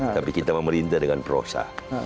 tapi kita memerintah dengan prosa